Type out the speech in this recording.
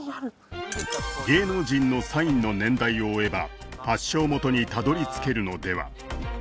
芸能人のサインの年代を追えば発祥元にたどり着けるのでは？